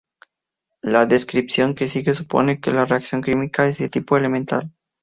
La descripción que sigue supone que la reacción química es de tipo elemental.